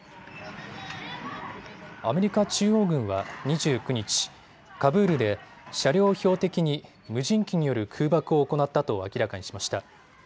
アメリカ中央軍は２９日、カブールで車両を標的に無人機による空爆を行ったと明らかにしました。